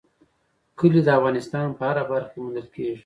کلي د افغانستان په هره برخه کې موندل کېږي.